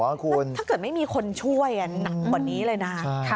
คุณถ้าเกิดไม่มีคนช่วยหนักกว่านี้เลยนะคะ